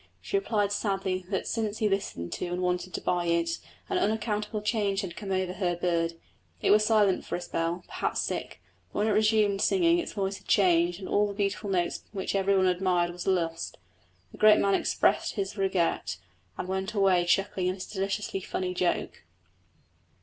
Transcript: She replied sadly that since he listened to and wanted to buy it an unaccountable change had come over her bird. It was silent for a spell, perhaps sick, but when it resumed singing its voice had changed and all the beautiful notes which everyone admired were lost. The great man expressed his regret, and went away chuckling at his deliciously funny joke.